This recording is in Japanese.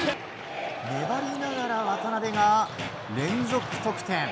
粘りながら渡邊が連続得点。